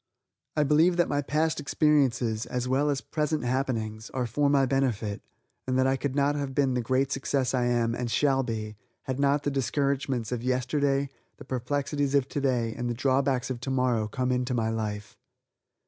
I believe that my past experiences, as well as present happenings, are for my benefit, and that I could not have been the great success I am, and shall be, had not the discouragements of yesterday, the perplexities of today and the drawbacks of tomorrow come into my life.